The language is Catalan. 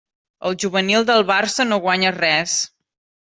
El juvenil del Barça no guanya res.